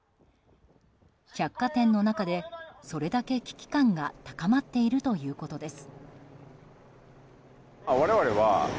百貨店の中で、それだけ危機感が高まっているということです。